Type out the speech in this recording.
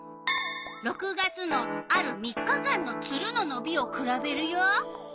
６月のある３日間のツルののびをくらべるよ。